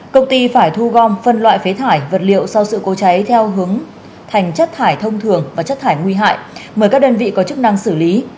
công ty phải thu gom phân loại phế thải vật liệu sau sự cố cháy theo hướng thành chất thải thông thường và chất thải nguy hại mời các đơn vị có chức năng xử lý